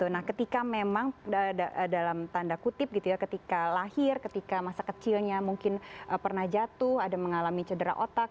nah ketika memang dalam tanda kutip gitu ya ketika lahir ketika masa kecilnya mungkin pernah jatuh ada mengalami cedera otak